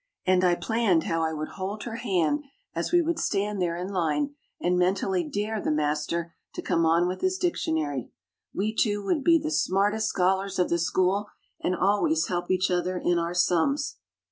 And I planned how I would hold her hand as we would stand there in line and mentally dare the master to come on with his dictionary. We two would be the smartest scholars of the school and always help each other in our "sums."